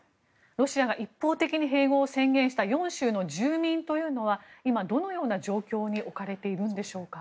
ロシアが一方的に併合を宣言した４州の住民というのは今どのような状況に置かれているんでしょうか。